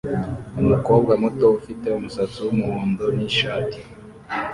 Umukobwa muto ufite umusatsi wumuhondo nishati